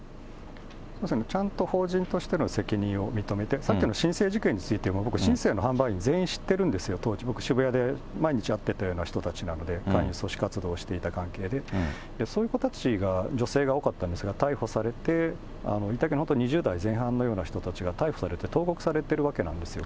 まさにちゃんと法人としての責任を認めて、さっきの新世事件についても、僕、新世の販売員、全員知ってるんですよ、当時僕、渋谷で毎日会ってたような人たちなので、組織活動をしていた関係で、そういう子たちが、女性が多かったんですが、逮捕されて、２０代前半のような人たちが逮捕されて、投獄されてるわけなんですよ。